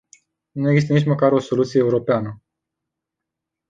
Nu există nici măcar o soluție europeană.